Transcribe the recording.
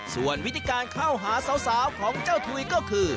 ส่วนวิธีการเข้าหาสาวของเจ้าถุยก็คือ